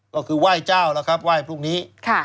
ก็คือว่ายเจ้าแล้วครับว่ายพรุ่งนี้